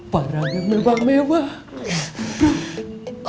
para mewah mewah